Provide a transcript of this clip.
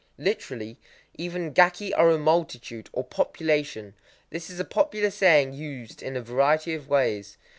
Literally: "Even gaki are a multitude (or, 'population')." This is a popular saying used in a variety of ways.